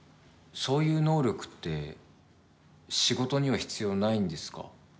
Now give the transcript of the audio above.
そういう能力って仕事には必要ないんですか？